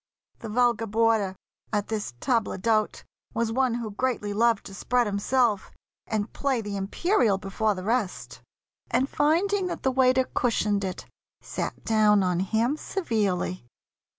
The vulgar boarder at this table d'hôte Was one who greatly loved to spread himself And play the imperial before the rest; And finding that the waiter cushioned it, Sat down on him severely.